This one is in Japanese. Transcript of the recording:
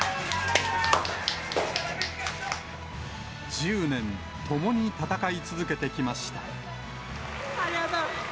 １０年共に戦い続けてきましありがとう。